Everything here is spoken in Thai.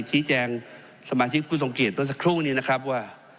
ชี้แจงสมาชิกคุณสงเกตตัวสักครู่นี้นะครับว่า